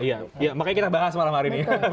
iya makanya kita bangga semalam hari ini